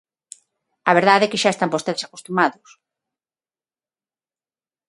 A verdade é que xa están vostedes acostumados.